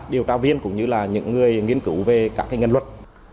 điều tra viên cũng như là những người nghiên cứu về các ngành luật